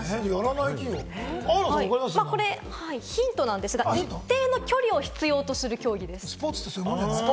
これヒントなんですが、一定の距離を必要とする競技です。